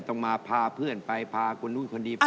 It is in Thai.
ต้องมาพาเพื่อนไปพาคนนู้นคนนี้ไป